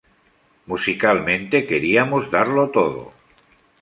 Musicalmente, queríamos darlo todo.